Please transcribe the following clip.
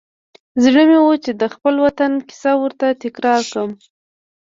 زړه مې و چې د خپل وطن کیسه ورته تکرار کړم.